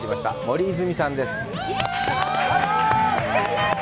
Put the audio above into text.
森泉さんです。